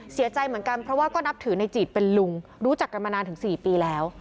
เสียใจเหมือนกันเพราะว่าก็นับถือในจีดเป็นลุงรู้จักกันมานานถึง๔ปีแล้ว